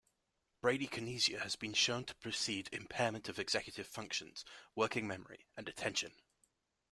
Bradykinesia has been shown to precede impairment of executive functions, working memory, and attention.